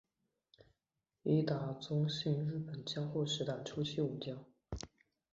伊达宗信日本江户时代初期武将。